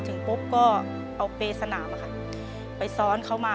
เปลี่ยนเพลงเพลงเก่งของคุณและข้ามผิดได้๑คำ